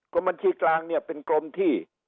บัญชีกลางเนี่ยเป็นกรมที่